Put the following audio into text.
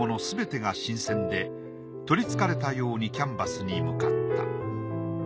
すべてが新鮮で取りつかれたようにキャンバスに向かった。